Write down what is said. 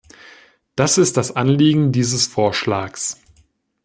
Das ist das Anliegen dieses Vorschlags.